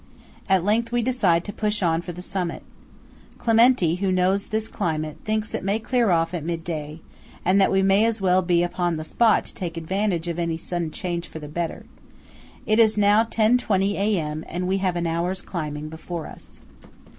At length we decide to push on for the summit. Clementi, who knows this climate, thinks it may clear off at midday, and that we may as well be upon the spot to take advantage of any sudden change for the better. It is now 10.20. A.M., and we have an hour's climbing before us.